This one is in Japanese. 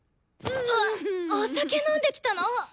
うわっお酒飲んできたの！？